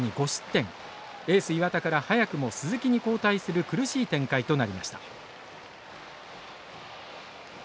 エース岩田から早くも鈴木に交代する苦しい展開となりました。